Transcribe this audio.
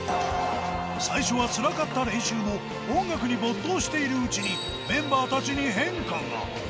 最初はつらかった練習も、音楽に没頭しているうちに、メンバーたちに変化が。